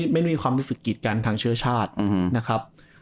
ไม่มีความรู้สึกกีดกันทางเชื้อชาตินะครับ